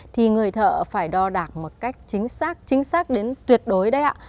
thì người thợ phải đo đạc một cách chính xác chính xác đến tuyệt đối đấy ạ